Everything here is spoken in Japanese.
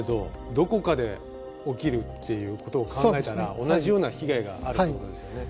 どこかで起きるっていうことを考えたら同じような被害があるってことですよね。